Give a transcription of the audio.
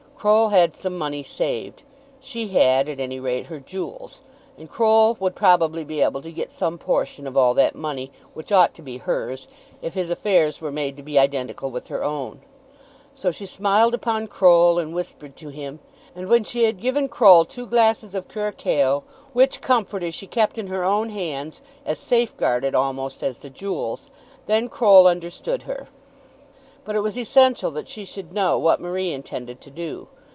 Croll had some money saved. She had, at any rate, her jewels, and Croll would probably be able to get some portion of all that money, which ought to be hers, if his affairs were made to be identical with her own. So she smiled upon Croll, and whispered to him; and when she had given Croll two glasses of Curaçoa, which comforter she kept in her own hands, as safe guarded almost as the jewels, then Croll understood her. But it was essential that she should know what Marie intended to do.